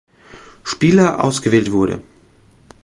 Spieler ausgewählt wurde.